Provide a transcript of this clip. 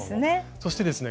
そしてですね